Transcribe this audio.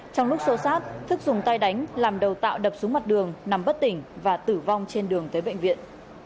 trong lúc sâu sát thức dùng tay đánh làm đầu tạo đập xuống mặt đường nằm bất tỉnh và tử vong trên đường tới bệnh viện